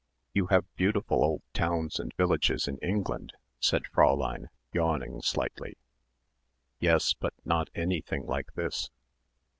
"You have beautiful old towns and villages in England," said Fräulein, yawning slightly. "Yes but not anything like this."